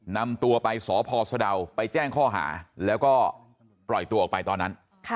นำตัวไปสพสะดาวไปแจ้งข้อหาแล้วก็ปล่อยตัวออกไปตอนนั้น